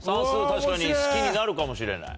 確かに好きになるかもしれない。